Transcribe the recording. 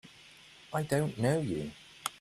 I don't know you!